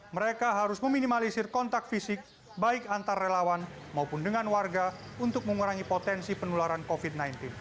mereka harus meminimalisir kontak fisik baik antar relawan maupun dengan warga untuk mengurangi potensi penularan covid sembilan belas